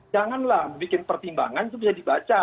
janganlah bikin pertimbangan itu bisa dibaca